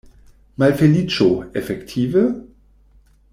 Malfeliĉo, efektive?